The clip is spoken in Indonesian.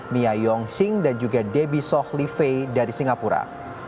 mia yong shing dan juga debbie soh li fei dari singapura